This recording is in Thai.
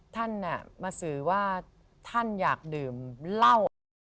ท่านมาสื่อว่าท่านอยากดื่มเหล้าอะไร